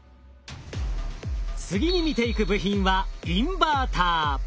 次に見ていく部品はインバーター。